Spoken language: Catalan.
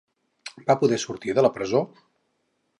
Va poder sortir de la presó?